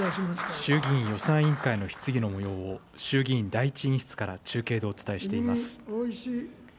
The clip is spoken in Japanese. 衆議院予算委員会の質疑のもようを、衆議院第１委員室から中継でお伝えしています。